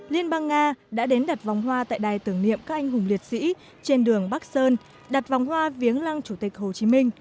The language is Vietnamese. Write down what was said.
liên bang nga đã đến đặt vòng hoa tại đài tưởng niệm các anh hùng liệt sĩ trên đường bắc sơn đặt vòng hoa viếng lăng chủ tịch hồ chí minh